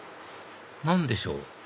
何でしょう？